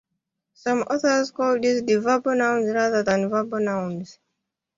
Some authors call these deverbal nouns rather than verbal nouns.